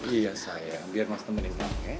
iya sayang biar mas temenin